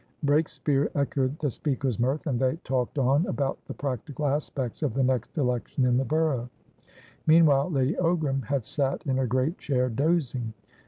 Breakspeare echoed the speaker's mirth, and they talked on about the practical aspects of the next election in the borough. Meanwhile, Lady Ogram had sat in her great chair, dozing.